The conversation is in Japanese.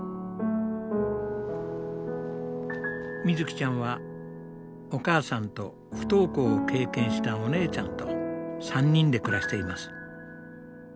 みずきちゃんはお母さんと不登校を経験したお姉ちゃんと３人で暮らしています。